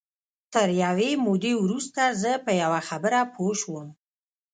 تر یوې مودې وروسته زه په یوه خبره پوه شوم